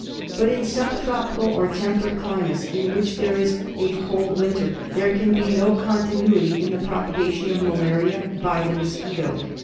But in sub tropical or temperate climates in which there is a cold winter there can be no continuity MALARIA. 105 in the propagation of malaria by the mosquito.